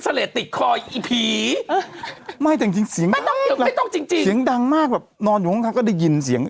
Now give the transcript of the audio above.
เสียงดังมากแบบนอนอยู่ข้างไม่ก็ได้ยินเสียง